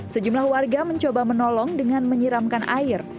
sejumlah warga mencoba menolong dengan menyiramkan air